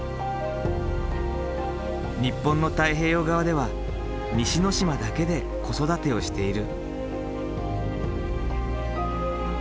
日本の太平洋側では西之島だけで子育てをしている。